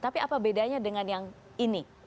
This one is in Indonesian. tapi apa bedanya dengan yang ini